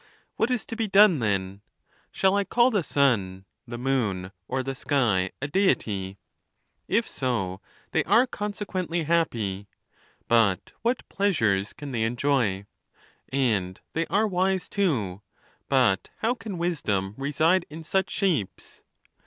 What is to be done, then ? Shall I call the sun, the moon, or the sky a Deity ? If so, they are consequently happy. But what pleasures can they enjoy? And they are wise too. But how can wisdom reside in such shapes